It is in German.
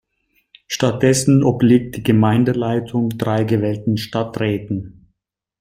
Statt dessen obliegt die Gemeindeleitung drei gewählten Stadträten.